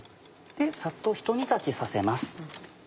サッとひと煮立ちさせます。